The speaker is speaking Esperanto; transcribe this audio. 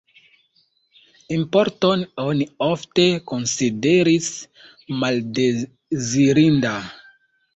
Importon oni ofte konsideris maldezirinda.